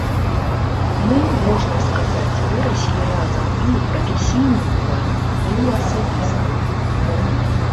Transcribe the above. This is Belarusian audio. Мы, можна сказаць, выраслі разам і ў прафесійным плане, і ў асабістым.